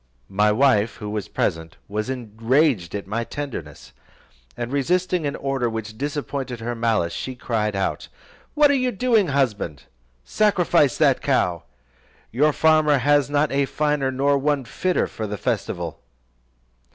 My wife, who was present, was enraged at my tenderness, and resisting an order which disappointed her malice, she cried out, "What are you doing, husband? Sacrifice that cow; your farmer has not a finer, nor one fitter for the festival."